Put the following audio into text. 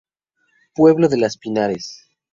Pueblo de la de Pinares.